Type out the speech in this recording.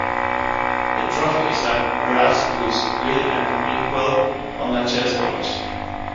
The trophy is a brass goose quill and inkwell on a chessboard.